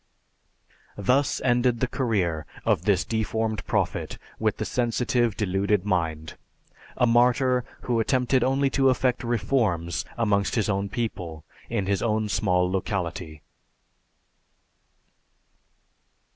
Thus ended the career of this deformed Prophet with the sensitive deluded mind; a martyr who attempted only to effect reforms amongst his own people, in his own small locality.